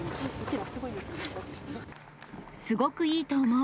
すごくいいと思う。